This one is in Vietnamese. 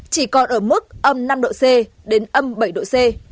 chỉ còn ở mức âm năm độ c đến âm bảy độ c